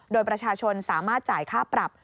โดยประชาชนสามารถจ่ายค่าปรับ